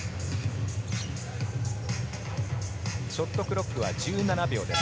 ショットクロックは１７秒です。